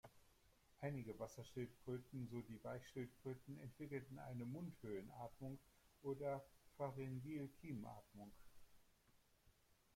Einige Wasserschildkröten, so die Weichschildkröten, entwickelten eine "Mundhöhlen-Atmung" oder "Pharyngeal-Kiemenatmung".